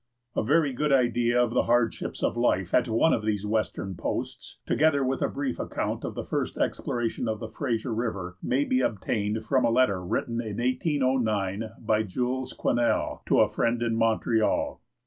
A very good idea of the hardships of life at one of these western posts, together with a brief account of the first exploration of the Fraser River, may be obtained from a letter written in 1809 by Jules Quesnel to a friend in Montreal.